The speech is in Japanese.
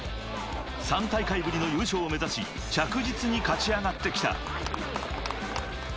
３大会ぶりの優勝を目指し、着実に勝ち上がってきた。